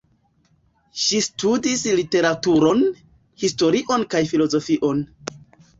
Ŝi studis literaturon, historion kaj filozofion.